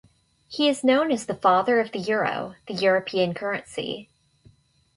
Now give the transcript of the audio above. He is known as the father of the Euro, the European currency.